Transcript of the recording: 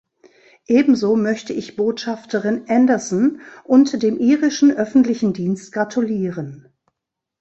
Ebenso möchte ich Botschafterin Anderson und dem irischen öffentlichen Dienst gratulieren.